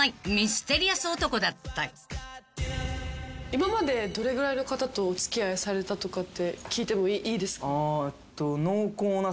今までどれぐらいの方とお付き合いされたとかって聞いてもいいですか？